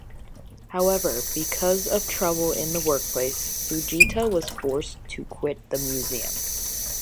However, because of trouble in the workplace, Fujita was forced to quit the museum.